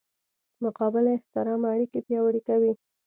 متقابل احترام اړیکې پیاوړې کوي.